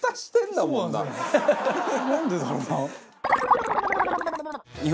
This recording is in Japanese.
なんでだろうな。